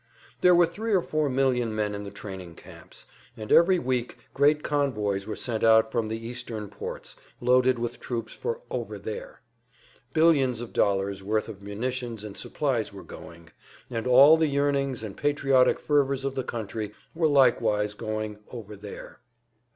There were three or four million men in the training camps, and every week great convoys were sent out from the Eastern ports, loaded with troops for "over there." Billions of dollars worth of munitions and supplies were going, and all the yearnings and patriotic fervors of the country were likewise going "over there."